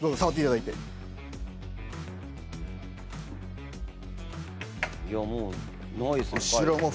いやもうないっす。